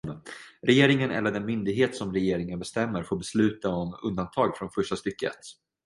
Regeringen eller den myndighet som regeringen bestämmer får besluta om undantag från första stycket.